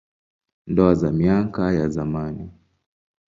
Ndoa za miaka ya zamani.